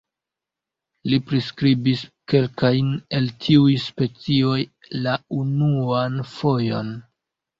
Li priskribis kelkajn el tiuj specioj la unuan fojon.